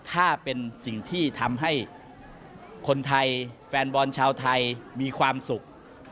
ถ้าเป็นสิ่งที่ทำให้คนไทยแฟนบอลชาวไทยมีความสุข